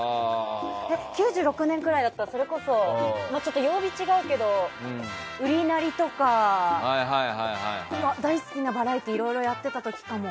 ９６年くらいだったら、それこそ曜日違うけど「ウリナリ」とか大好きなバラエティーいろいろやってた時かも。